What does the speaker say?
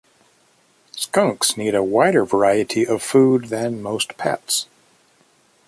Skunks need a wider variety of food than most pets.